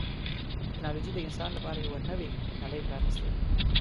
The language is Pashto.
ټکنالوجي د انسان لپاره یوه نوې نړۍ پرانستې ده.